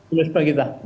itu itu yang kita ingin